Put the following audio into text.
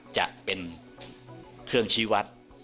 จะเป็นเครื่องชี้วัด